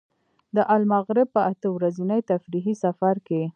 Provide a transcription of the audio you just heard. د المغرب په اته ورځني تفریحي سفر کې.